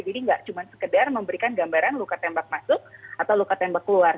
jadi nggak cuma sekedar memberikan gambaran luka tembak masuk atau luka tembak keluar